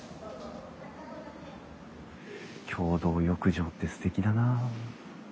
共同浴場ってすてきだなあ。